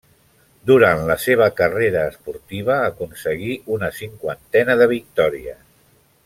Durant la seva carreta esportiva aconseguí una cinquantena de victòries.